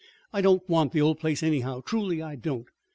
"I don't want the old place, anyhow. Truly, I don't!"